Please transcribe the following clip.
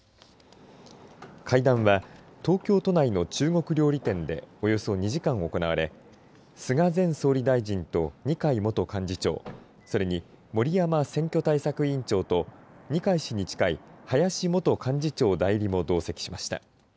会談は東京都内の中国料理店でおよそ２時間行われ菅前総理大臣と二階元幹事長それに森山選挙対策委員長と二階氏に近い林元幹事長代理も同席しました。